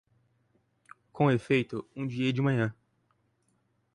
Com efeito, um dia de manhã